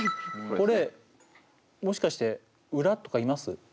これもしかしてウラとかいます？